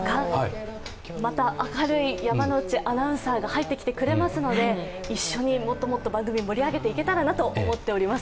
また明るい山内アナウンサーが入ってきてくれますので一緒にもっともっと番組を盛り上げていければと思っております。